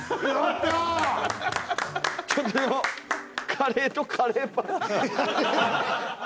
カレーとカレーパン。